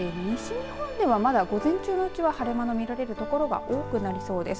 日本ではまだ午前中のうちは晴れ間の見られるところが多くなりそうです。